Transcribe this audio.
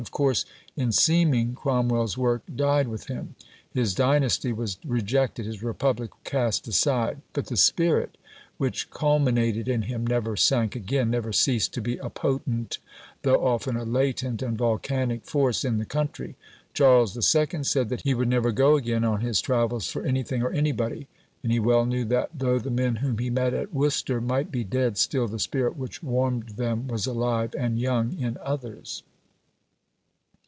Of course, in seeming, Cromwell's work died with him; his dynasty was rejected, his republic cast aside; but the spirit which culminated in him never sank again, never ceased to be a potent, though often a latent and volcanic force in the country. Charles II. said that he would never go again on his travels for anything or anybody; and he well knew that though the men whom he met at Worcester might be dead, still the spirit which warmed them was alive and young in others.